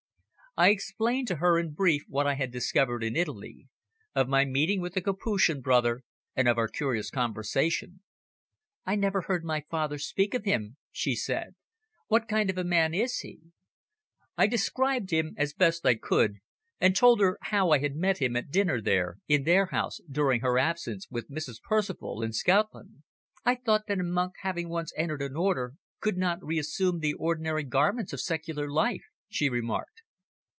I explained to her in brief what I had discovered in Italy: of my meeting with the Capuchin brother and of our curious conversation. "I never heard my father speak of him," she said. "What kind of man is he?" I described him as best I could, and told her how I had met him at dinner there, in their house, during her absence with Mrs. Percival in Scotland. "I thought that a monk, having once entered an Order, could not re assume the ordinary garments of secular life," she remarked.